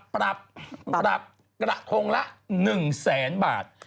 ปรับปรับกระทงละ๑แสนบาท